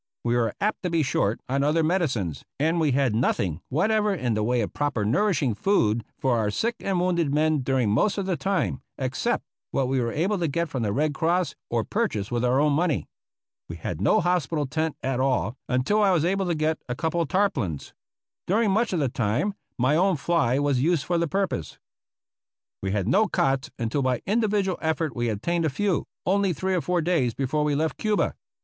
We were apt to be short on other medicines, and we had noth ing whatever in the way of proper nourishing food for our sick and wounded men during most of the time, except what we were able to get from the Red Cross or purchase with our own money. We had no hospital tent at all un til I was able to get a couple of tarpaulins. During much of the time my own fly was used for the purpose. We had no cots until by individual effort we obtained a few, only three or four days before we left Cuba.